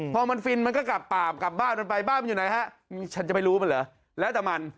พอมันฟินมันก็กลับปาบกลับบ้านมันไปบ้านมันอยู่ไหนฮะฉันจะไปรู้มันเหรอแล้วแต่มัน